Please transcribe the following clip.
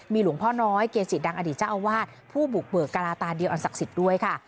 หลวงพ่อน้อยเกษีดังอดีตเจ้าอาวาสผู้บุกเบิกการาตาเดียวอันศักดิ์สิทธิ์ด้วยค่ะ